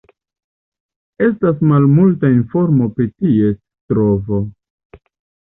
Estas malmulta informo pri ties trovo.